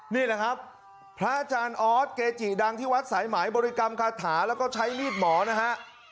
นี่แหละครับพระอาจารย์ออสเกจิดังที่วัดสายไหมบริกรรมคาถาแล้วก็ใช้มีดหมอนะฮะ